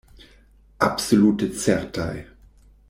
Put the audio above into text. Absolute certaj.